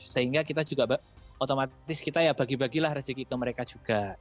sehingga kita juga otomatis kita ya bagi bagilah rezeki ke mereka juga